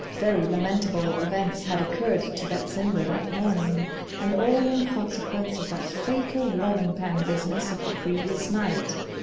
very lamentable events had occurred to Betsinda that morning, and all in consequence of that fatal warming pan business of the previous night.